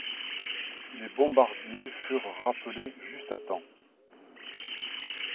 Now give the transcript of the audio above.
Les bombardiers furent rappelés juste à temps.